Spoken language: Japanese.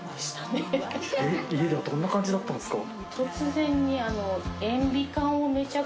家ではどんな感じだったんですか？